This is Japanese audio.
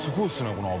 この脂。